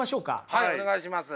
はいお願いします。